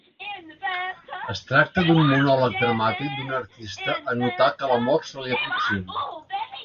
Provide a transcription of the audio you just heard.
Es tracta d'un monòleg dramàtic d'un artista en notar que la mort se li aproxima.